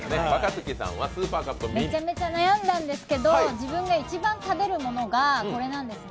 めちゃめちゃ悩んだんですけど、自分が一番食べるものがこれなんですね。